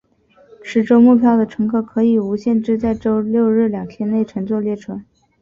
持周末票的乘客可以无限制在周六日两天内乘坐列车。